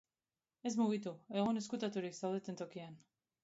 Ez mugitu, egon ezkutaturik zaudeten tokian.